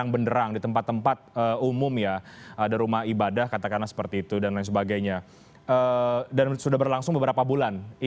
anda kembali di newscast saya akan lanjutkan inadequat internasoni untuk menganggap mad tanai